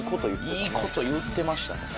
いいこと言ってましたね。